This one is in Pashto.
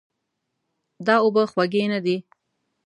دا اوبه خوږې نه دي.